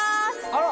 あら！